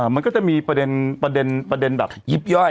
มันก็จะมีประเด็นประเด็นแบบยิบย่อย